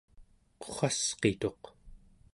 qurrasqituq